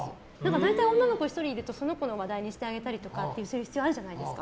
大体女の子１人いるとその子の話題にしてあげたりとかそういう必要があるじゃないですか。